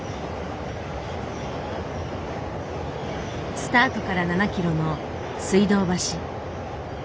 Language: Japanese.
スタートから７キロの水道橋。